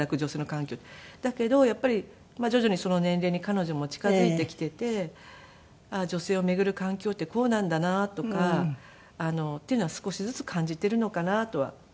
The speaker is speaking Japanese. だけどやっぱり徐々にその年齢に彼女も近づいてきていて女性をめぐる環境ってこうなんだなとかっていうのは少しずつ感じているのかなとは思います。